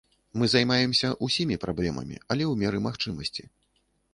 Мы займаемся ўсімі праблемамі, але ў меры магчымасці.